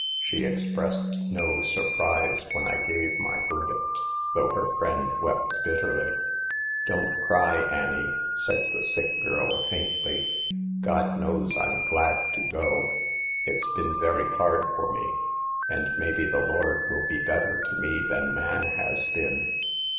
She expressed no surprise when I gave my verdict, though her friend wept bitterly.' "'Don't cry, Annie,' said the sick girl, faintly. 6 God knows I'm glad to go. It's been very hard for me, and maybe the Lord will be better to me than man has been.'